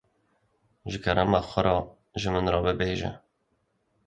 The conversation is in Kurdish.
Ji kerema xwe re ji min re bibêje.